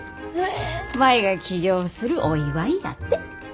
舞が起業するお祝いやて。